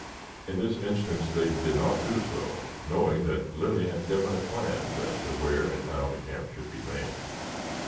In this instance they did not do so, knowing that Lilly had definite plans as to where and how the camp should be made.